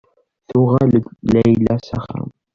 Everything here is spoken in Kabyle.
Tuɣal-d Layla s axxam.